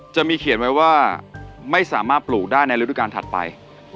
จะมีเขียนไว้ว่าไม่สามารถปลูกได้ในฤดูการถัดไป